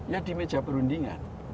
ya di meja perundingan